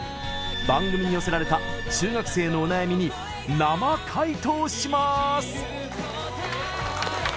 番組に寄せられた中学生のお悩みに生回答します！